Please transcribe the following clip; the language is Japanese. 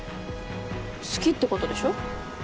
好きってことでしょ？